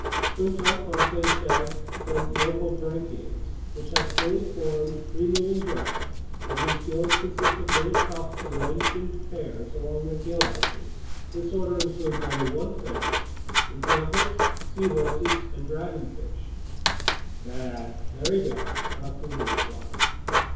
"Quinto," Conseil said, "the lophobranchians, which have fully formed, free moving jaws but whose gills consist of little tufts arranged in pairs along their gill arches. This order includes only one family. Examples: seahorses and dragonfish." "Bad, very bad!" the harpooner replied.